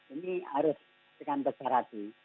ini harus diberi hati